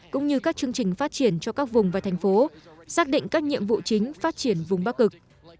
cũng như các chương trình phát triển cho các vùng và thành phố xác định các nhiệm vụ chính phát triển vùng bắc cực